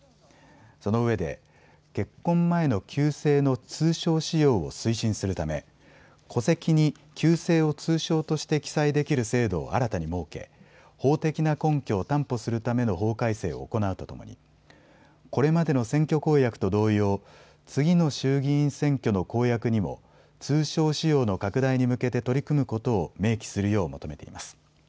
そのうえで結婚前の旧姓の通称使用を推進するため戸籍に旧姓を通称として記載できる制度を新たに設け法的な根拠を担保するための法改正を行うとともにこれまでの選挙公約と同様、次の衆議院選挙の公約にも通称使用の拡大に向けて取り組むことを明記するよう求めています。